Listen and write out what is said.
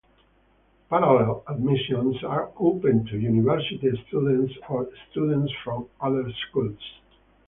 Parallel admissions are open to university students or students from other schools.